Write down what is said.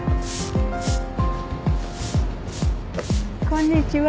こんにちは。